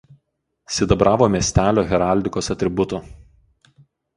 Sidabravo miestelio heraldikos atributų.